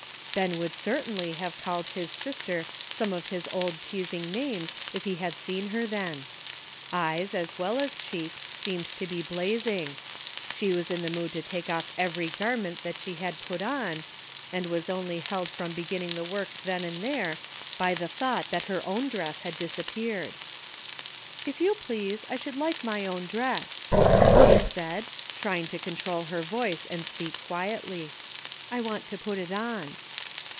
Ben would certainly have called his sister some of his old teasing names if he had seen her then ! Eyes, as well as cheeks, seemed to be blazing; she was in the mood to take off every garment that she had put on, and was only held from beginning the work then and there by the thought that her own dress had disappeared. i30 BORROWED TROUBLE. *'If you please, I should like my own dress," she said, trying to control her voice and speak quietly. " I want to put it on."